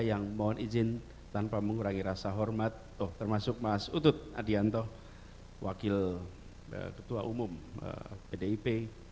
yang mohon izin tanpa mengurangi rasa hormat termasuk mas utut adianto wakil ketua umum pdip